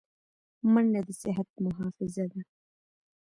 منډه د صحت محافظه ده